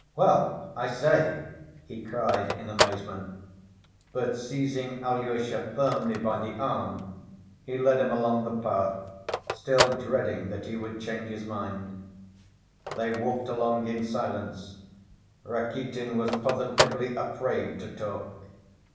"Well! I say!" he cried in amazement, but seizing Alyosha firmly by the arm he led him along the path, still dreading that he would change his mind. They walked along in silence, Rakitin was positively afraid to talk.